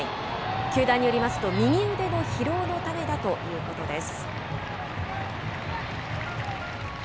球団によりますと、右腕の疲労のためだということです。